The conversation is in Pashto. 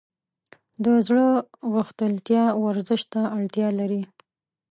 د زړه غښتلتیا ورزش ته اړتیا لري.